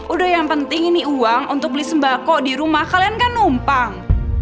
udah yang penting ini uang untuk beli sembako di rumah kalian kan numpang